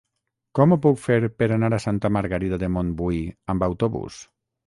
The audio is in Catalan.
Com ho puc fer per anar a Santa Margarida de Montbui amb autobús?